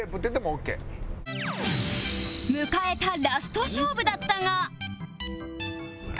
迎えたラスト勝負だったが